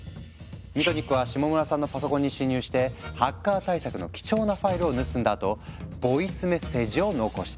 ミトニックは下村さんのパソコンに侵入してハッカー対策の貴重なファイルを盗んだあとボイスメッセージを残した。